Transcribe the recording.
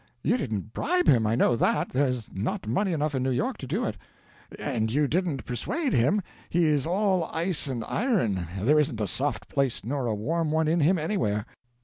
You didn't bribe him, I know that; there's not money enough in New York to do it. And you didn't persuade him; he is all ice and iron: there isn't a soft place nor a warm one in him anywhere.